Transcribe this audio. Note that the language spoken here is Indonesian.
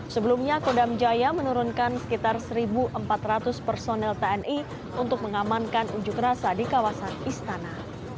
sebelumnya kodam jaya menurunkan sekitar satu empat ratus personel tni untuk mengamankan ujuk rasa di kawasan istana